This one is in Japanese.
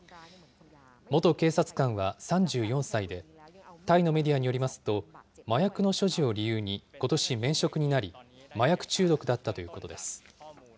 元警察官は３４歳で、タイのメディアによりますと、麻薬の所持を理由に、ことし免職になり、麻薬中毒だったということです。